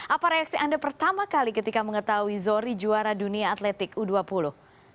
apa reaksi anda pertama kali ketika mengetahui zohri juara dunia atletik u dua puluh